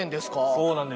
そうなんです。